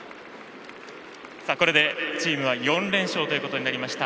これでチームは４連勝ということになりました。